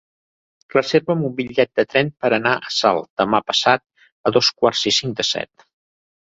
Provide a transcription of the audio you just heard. Reserva'm un bitllet de tren per anar a Salt demà passat a dos quarts i cinc de set.